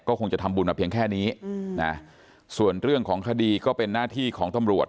คงจะทำบุญมาเพียงแค่นี้นะส่วนเรื่องของคดีก็เป็นหน้าที่ของตำรวจ